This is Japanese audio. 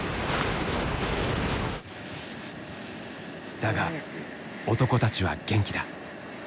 だが男たちは元気だ。